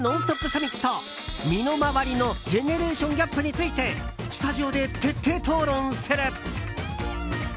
サミット身の回りのジェネレーションギャップについてスタジオで徹底討論する！